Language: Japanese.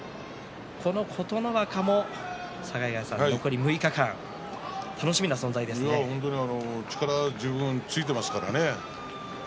この琴ノ若も残り６日間力十分ついていますからね。